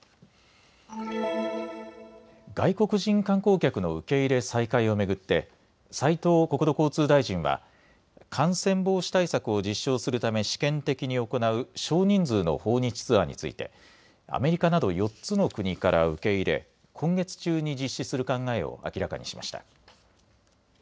外国人観光客の受け入れ再開を巡って斉藤国土交通大臣は感染防止対策を実証するため試験的に行う少人数の訪日ツアーについてアメリカなど４つの国から受け入れ今月中に実施する考えを明らかにしました。